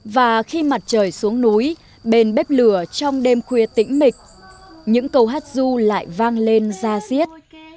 và khi mặt trời xuống núi bền bếp lửa trong đêm khuya tĩnh mịch những câu hát ru lại vang lên ra riết